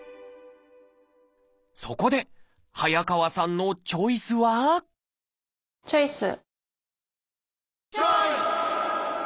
そこで早川さんのチョイスはチョイス！